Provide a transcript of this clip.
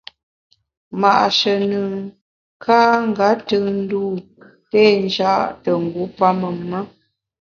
Ma’she nùn ka nga tùn ndû té nja’ te ngu pamem ma.